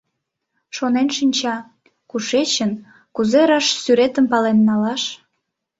Шонен шинча: кушечын, кузе раш сӱретым пален налаш?